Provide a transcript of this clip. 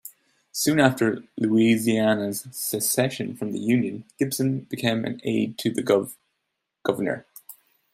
Soon after the Louisiana's secession from the Union, Gibson became an aide to Gov.